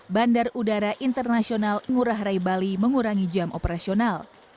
bandar udara internasional ngurah rai bali mengurangi jam operasional